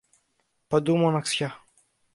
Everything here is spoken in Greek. Παντού μοναξιά.